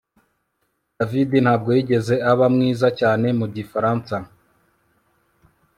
David ntabwo yigeze aba mwiza cyane mu gifaransa